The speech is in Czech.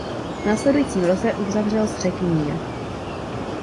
V následujícím roce uzavřel s Řeky mír.